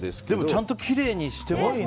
ちゃんときれいにしていますね。